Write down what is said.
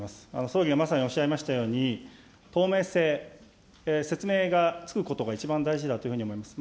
総理がまさにおっしゃいましたように、透明性、説明がつくことが一番大事だというふうに思います。